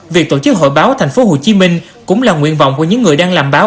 việc tổ chức hội báo tp hcm cũng là nguyện vọng của những người đang làm báo